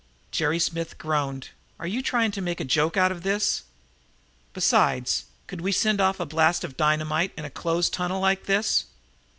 Jerry Smith groaned. "Are you trying to make a joke out of this? Besides, could we send off a blast of dynamite in a closed tunnel like this?"